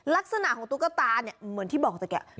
ลักษณะของตุ๊กตาเนี่ยเหมือนที่บอกเมื่อกี้